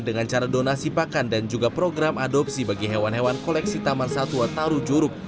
dengan cara donasi pakan dan juga program adopsi bagi hewan hewan koleksi taman satwa taru juruk